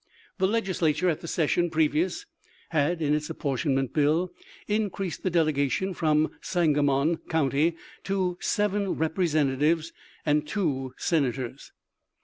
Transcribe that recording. The Leg islature at the session previous had in its apportion ment bill increased the delegation from Sangamon county to seven Representatives and two Sena tors.